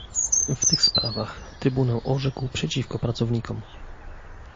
W tych sprawach Trybunał orzekł przeciwko pracownikom